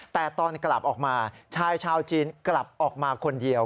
แต่ตอนกลับออกมาชายชาวจีนกลับออกมาคนเดียว